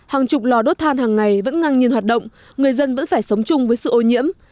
hàng chục lò đốt than hàng ngày vẫn ngang nhiên hoạt động người dân vẫn phải sống chung với sự ô nhiễm